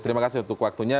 terima kasih untuk waktunya